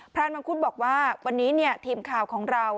มังคุดบอกว่าวันนี้ทีมข่าวของเรา